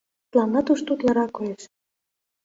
Тыланда тушто утларак коеш.